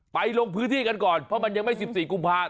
ลงพื้นที่กันก่อนเพราะมันยังไม่๑๔กุมภาค